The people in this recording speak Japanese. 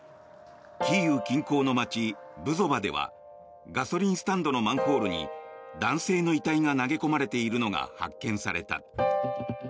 キーウ近郊の街、ブゾバではガソリンスタンドのマンホールに男性の遺体が投げ込まれているのが発見された。